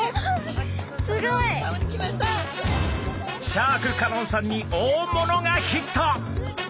シャーク香音さんに大物がヒット。